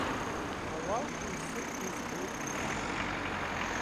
Ауал ду сыдны збоит уҿаԥхьа.